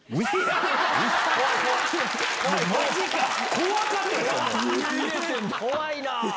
怖いな。